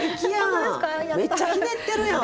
めっちゃひねってるやん！